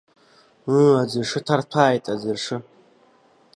Ыы, аӡыршы ҭарҭәааит, аӡыршы!